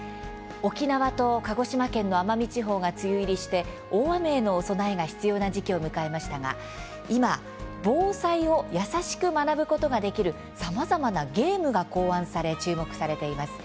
沖縄と鹿児島県の奄美地方が梅雨入りして大雨への備えが必要な時期を迎えましたが今防災を易しく学ぶことができるさまざまなゲームが考案され、注目されています。